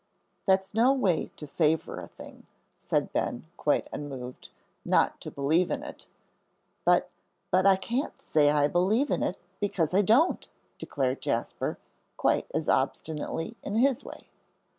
"That's no way to favor a thing," said Ben, quite unmoved, "not to believe in it." "But but I can't say I believe in it, because I don't," declared Jasper, quite as obstinately in his way.